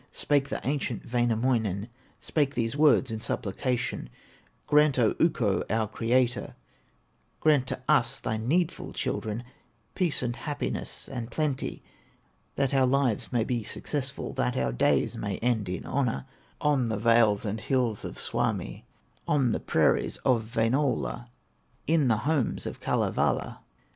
Spake the ancient Wainamoinen:, Spake these words in supplication: "Grant, O Ukko, our Creator, Grant to us, thy needful children, Peace, and happiness, and plenty, That our lives may be successful, That our days may end in honor, On the vales and hills of Suomi, On the prairies of Wainola, In the homes of Kalevala!